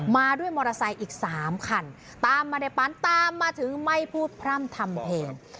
มาด้วยมอเตอร์ไซค์อีกสามคันตามมาในปั๊มตามมาถึงไม่พูดพร่ำทำเพลง